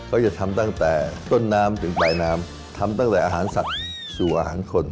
ก็จะทำตั้งแต่ต้นน้ำถึงปลายน้ำทำตั้งแต่อาหารสัตว์สู่อาหารคน